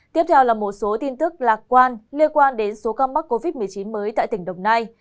tiếp theo là một số tin tức lạc quan liên quan đến số ca mắc covid một mươi chín mới tại tỉnh đồng nai